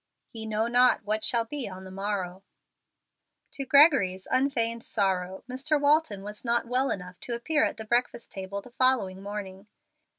"Ye know not what shall be on the morrow." To Gregory's unfeigned sorrow Mr. Walton was not well enough to appear at the breakfast table the following morning.